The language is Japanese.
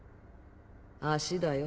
足だよ。